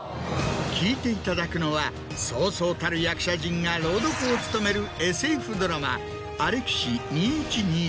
聴いていただくのはそうそうたる役者陣が朗読を務める。